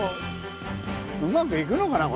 うまくいくのかな？